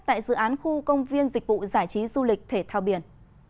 tại dự án khu công viên dịch vụ giải trí du lịch thể thao biển